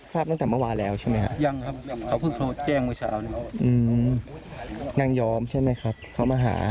บ้านที่มีรถไถอย่างคนที่ซื้อรถไถมา